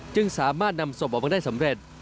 จึงสามารถนำศพออกมาได้สำเร็จ